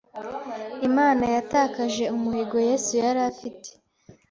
Imana yatakaje umuhigo Yesu yari afite